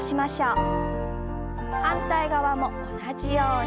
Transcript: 反対側も同じように。